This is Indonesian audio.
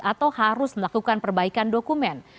atau harus melakukan perbaikan dokumen